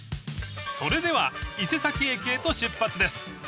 ［それでは伊勢崎駅へと出発です］